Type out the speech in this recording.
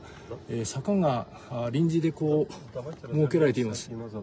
坂が臨時でこう、設けられています。